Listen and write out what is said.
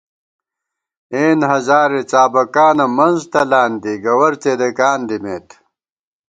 اېن ہزارے څابَکانہ منز تلان دی گوَر څېدېکان دِمېت